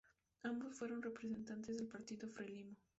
Ambos, fueron representantes del Partido Frelimo.